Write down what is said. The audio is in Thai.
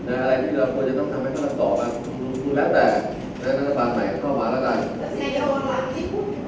อะไรที่เราควรจะต้องทำให้เขารับตอบครับรับแต่และนักภาพใหม่ก็มาแล้วได้